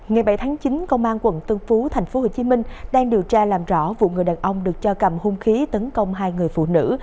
ngày bảy tháng chín công an quận tân phú tp hcm đang điều tra làm rõ vụ người đàn ông được cho cầm hung khí tấn công hai người phụ nữ